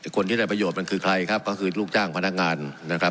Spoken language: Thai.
คนที่ได้ประโยชน์มันคือใครครับก็คือลูกจ้างพนักงานนะครับ